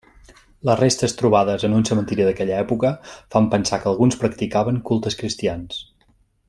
Les restes trobades en un cementiri d'aquella època fan pensar que alguns practicaven cultes cristians.